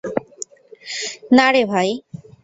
নারে, ভাই।